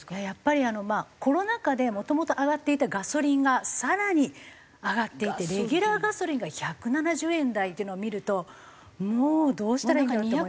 やっぱりコロナ禍でもともと上がっていたガソリンが更に上がっていてレギュラーガソリンが１７０円台っていうのを見るともうどうしたらいいんだろう。